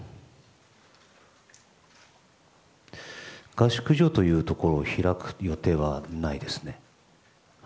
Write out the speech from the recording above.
合宿所というところを開く予定はないですね。